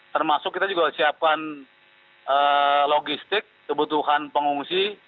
termasuk kita juga siapkan logistik kebutuhan pengungsi